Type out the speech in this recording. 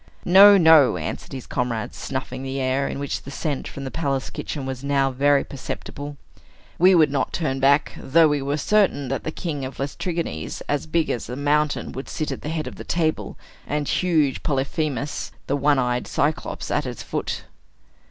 "No, no," answered his comrades, snuffing the air, in which the scent from the palace kitchen was now very perceptible. "We would not turn back, though we were certain that the king of the Laestrygons, as big as a mountain, would sit at the head of the table, and huge Polyphemus, the one eyed Cyclops, at its foot."